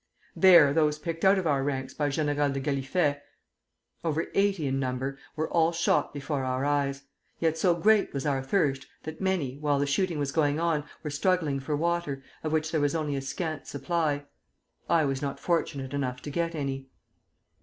There those picked out of our ranks by General de Gallifet over eighty in number were all shot before our eyes; yet so great was our thirst that many, while the shooting was going on, were struggling for water, of which there was only a scant supply. I was not fortunate enough to get any.